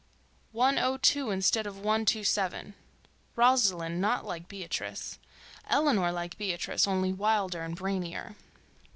One O Two instead of One Two Seven. Rosalind not like Beatrice, Eleanor like Beatrice, only wilder and brainier.